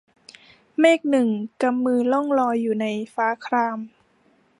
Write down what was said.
เมฆหนึ่งกำมือล่องลอยอยู่ในฟ้าคราม